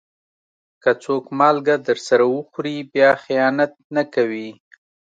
که څوک مالګه درسره وخوري، بیا خيانت نه کوي.